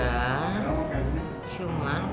udah sempet makan bareng juga